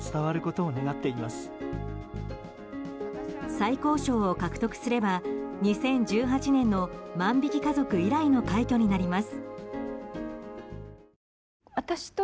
最高賞を獲得すれば２０１８年の「万引き家族」以来の快挙になります。